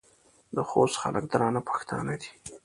د خوست خلک درانه پښتانه دي.